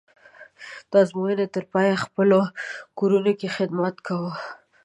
د ازموینې تر پایه یې په خپلو کورونو کې خدمت کوو.